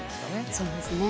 そうですね。